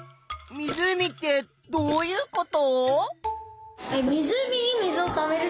湖ってどういうこと？